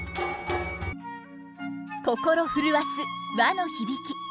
心震わす和の響き。